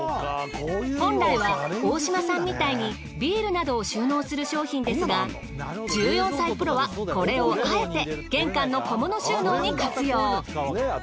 本来は大島さんみたいにビールなどを収納する商品ですが１４歳プロはこれをあえて玄関の小物収納に活用。